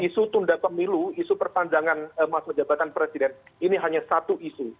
isu tunda pemilu isu perpanjangan masa jabatan presiden ini hanya satu isu